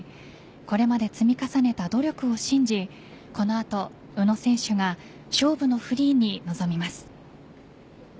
これまで積み重ねた努力を信じこの後、宇野選手が勝負のフリーに臨みます。